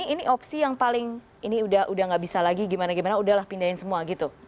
ini opsi yang paling ini udah gak bisa lagi gimana gimana udahlah pindahin semua gitu